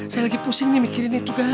saya lagi pusing mikirin itu gan